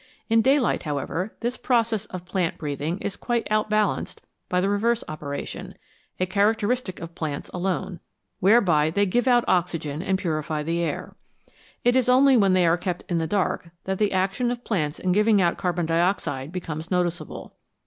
In daylight, however, this process of plant breathing is quite outbalanced by the reverse operation a characteristic of plants alone whereby they give out oxygen and purify the air. It is only when they are kept in the dark that the action of plants in giving out carbon dioxide becomes noticeable.